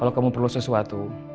kalau kamu perlu sesuatu